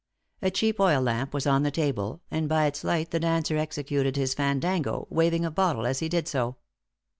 A cheap oil lamp was on the table, and by its light the dancer executed his fandango, waving a bottle as he did so.